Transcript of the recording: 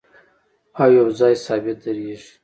او یو ځای ثابت درېږي